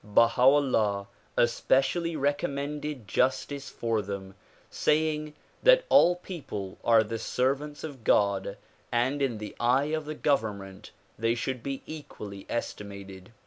Baha 'Ullah especially recommended justice for them, saying that all people are the servants of God, and in the eye of the government they should be equally estimated.